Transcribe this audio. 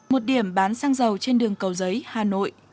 một điểm bán xăng dầu trên đường cầu giấy hà nội